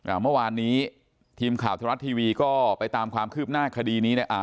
อ่าเมื่อวานนี้ทีมข่าวธรรมรัฐทีวีก็ไปตามความคืบหน้าคดีนี้เนี่ยอ่า